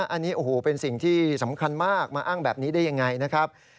อันนี้โอ้โหเป็นสิ่งที่สำคัญมากมาอ้างแบบนี้ได้ยังไงนะครับ